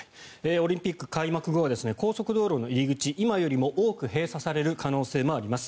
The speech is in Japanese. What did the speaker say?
オリンピック開幕後は高速道路の入り口が今よりも多く閉鎖される可能性もあります。